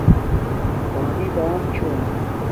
پانی بام چھوم